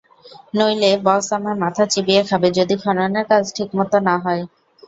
নইলে বস আমার মাথা চিবিয়ে খাবে যদি খননের কাজ ঠিকমত না হয়!